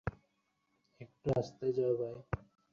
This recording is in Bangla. হোয়াইট ডেথ তার গুপ্তঘাতকের দল নিয়ে তোমাদের অপেক্ষায় আছে।